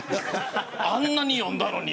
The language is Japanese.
あんなに読んだのによ。